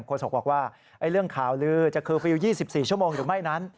โศกบอกว่าเรื่องข่าวลือจะเคอร์ฟิลล์๒๔ชั่วโมงหรือไม่นั้น